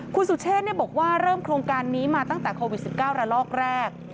คุณสุเชษบอกว่าเริ่มโครงการนี้มาตั้งแต่โควิด๑๙ระลอกแรก